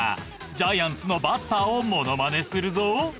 ジャイアンツのバッターをモノマネするぞ。